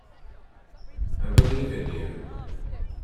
I believe in you.